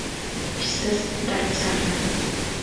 Ishsiz — dardisarni.